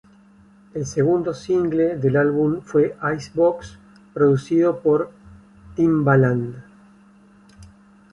El segundo single del álbum fue "Ice Box", producido por Timbaland.